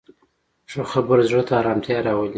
ښه خبره زړه ته ارامتیا راولي